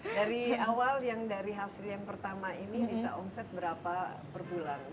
dari awal yang dari hasil yang pertama ini bisa omset berapa per bulan